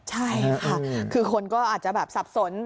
ใช่ค่ะคือคนก็อาจจะแบบสับสน